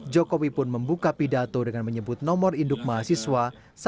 jokowi pun membuka pidato dengan menyebut nomor induk mahasiswa seribu enam ratus satu